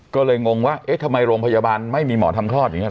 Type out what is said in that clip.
ก็เลยงงว่าเอ๊ะทำไมโรงพยาบาลไม่มีหมอทำคลอดอย่างนี้เห